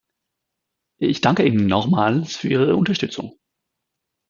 Ich danke Ihnen nochmals für Ihre Unterstützung.